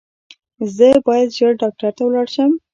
زه باید ژر ډاکټر ته ولاړ شم